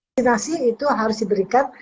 vaksinasi itu harus diberikan